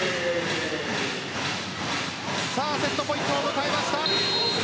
セットポイントを迎えました。